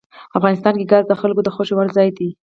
افغانستان کې ګاز د خلکو د خوښې وړ ځای دی.